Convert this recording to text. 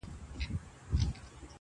وریځو خو ژړله نن اسمان راسره وژړل.!